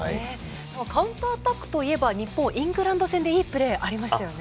カウンターアタックは日本はイングランド戦でいいプレーありましたね。